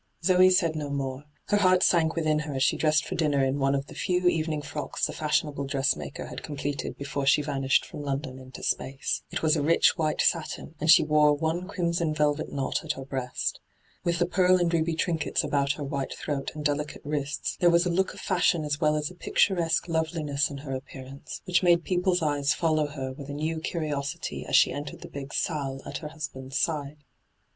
Zoe said no more. Her heart sank within her as she dressed for dinner in one of the few evening frocks the fashionable dressmaker had completed before she vanished from London into space. It was a rich white satin, and she wore one crimson velvet knot at her breast. With the pearl and ruby trinkets abont her white throat and delicate wrists, there was a look of fashion as well as a picturesque loveliness in her appearance, which made people's eyes follow her with a new curiosity 'as she entered the big salle at her husband's side.